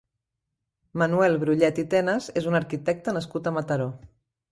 Manuel Brullet i Tenas és un arquitecte nascut a Mataró.